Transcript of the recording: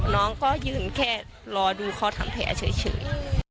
น้องก็ยืนแค่รอดูเขาทำแผลเฉย